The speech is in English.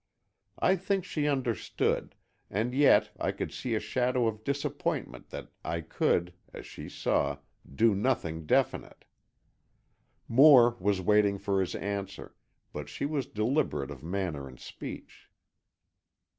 I think she understood, and yet I could see a shadow of disappointment that I could, as she saw, do nothing definite. Moore was waiting for his answer, but she was deliberate of manner and speech.